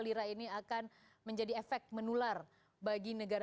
lira ini akan menjadi efek menular bagi negara